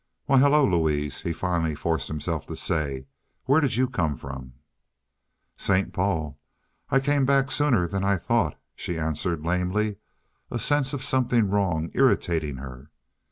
"Why, hello, Louise," he finally forced himself to say. "Where did you come from?" "St. Paul. I came back sooner than I thought," she answered lamely, a sense of something wrong irritating her.